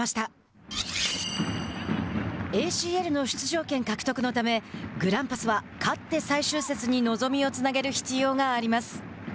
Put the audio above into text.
ＡＣＬは出場権獲得のためグランパスは勝って最終節に望みをつなげる必要があります。